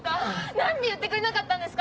何で言ってくれなかったんですか！